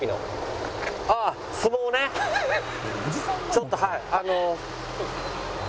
ちょっとはい。